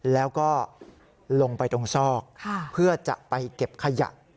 แล้วก็ลงไปตรงซอกเพื่อจะไปเก็บขยะ